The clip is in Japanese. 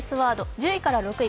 １０位から８位